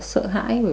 tôi chưa nhận được